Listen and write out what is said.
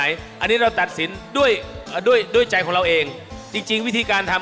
ตอนนี้จัดจานแล้วนะครับ